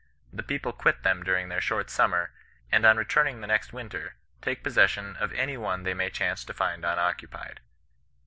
The people quit them during their short summer, and on returning the next winter, take possession of any one they may chance to find unoccupied.